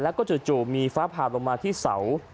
แล้วก็จู่มีฟ้าผ่าลงมาที่เสา